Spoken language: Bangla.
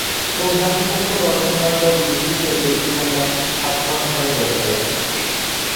পুঙ্খানুপুঙ্খ গবেষণার পর লিখিত এই উপন্যাসটি সাধারণভাবে যথাযথ।